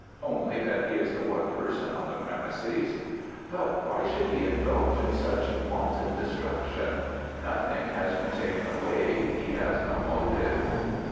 "Only that he is the one person on the premises." "But why should he indulge in such wanton destruction? Nothing has been taken away. He has no motive."